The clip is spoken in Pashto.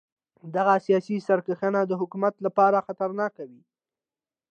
دغه سیاسي سرکښان د حکومت لپاره خطرناک وو.